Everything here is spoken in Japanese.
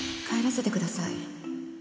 帰らせてください。